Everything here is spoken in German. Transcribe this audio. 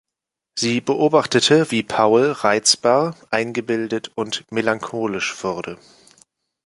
Sie beobachtete, wie Paul reizbar, eingebildet und melancholisch wurde.